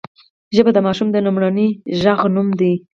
ژبه د ماشوم د لومړني غږ نوم دی